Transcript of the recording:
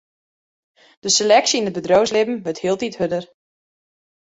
De seleksje yn it bedriuwslibben wurdt hieltyd hurder.